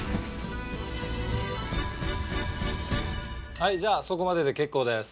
はいじゃあそこまでで結構です。